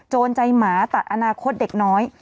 ใจหมาตัดอนาคตเด็กน้อย